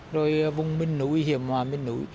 rồi vùng miền núi hiểm hòa miền núi